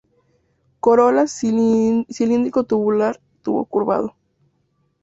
Corola cilíndrico-tubular, tubo curvado.